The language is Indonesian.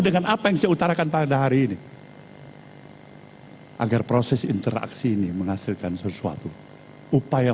dengan apa yang saya utarakan pada hari ini agar proses interaksi ini menghasilkan sesuatu upaya